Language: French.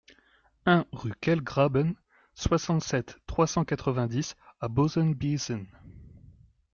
un rue Quellgraben, soixante-sept, trois cent quatre-vingt-dix à Bœsenbiesen